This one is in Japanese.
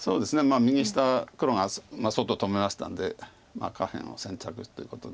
右下黒が外止めましたんで下辺を選択っていうことで。